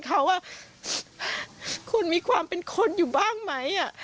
คุณมีความเป็นคนบ้างไหม